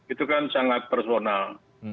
itu kan sangat personal